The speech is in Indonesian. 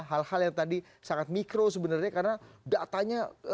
hal hal yang tadi sangat mikro sebenarnya karena datanya real dan ketat sekali gitu pak ngobet